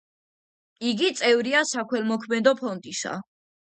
იგი წევრია საქველმოქმედო ფონდისა.